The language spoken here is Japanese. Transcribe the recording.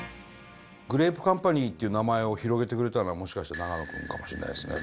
グレープカンパニーという名前を広げてくれたのはもしかしたら永野君かもしれないですね。